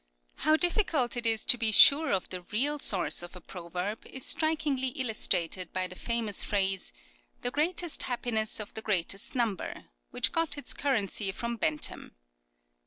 How difficult it is to be sure of the real source of a proverb is strikingly illustrated by the famous phrase " The greatest happiness of the greatest number," which got its currency from Bentham.